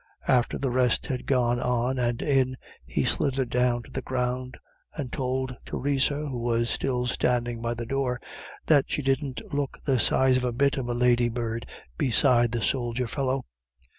After the rest had gone on and in, he slithered down to the ground and told Theresa, who was still standing by the door, that she didn't look the size of a bit of a lady bird beside the soldier fellow.